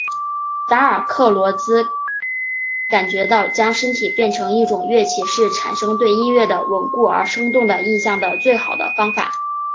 达尔克罗兹感觉到将身体变成一种乐器是产生对音乐的稳固而生动的印象的最好的方法。